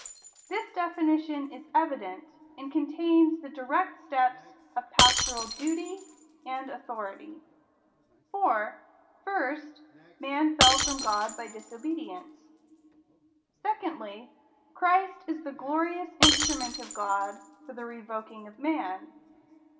This definition is evi dent, and contains the dii ect steps of pastoral duty and authority. For, first, man fell from God by disobedi ence. Secondly, Christ is the glorious instrument of God for the revoking of man.